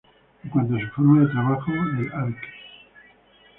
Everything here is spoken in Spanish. En cuanto a su forma de trabajo, el Arq.